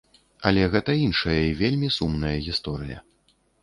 Але гэта іншая і вельмі сумная гісторыя.